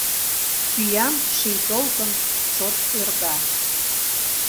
Пӱям ший толкын чот ӧрга.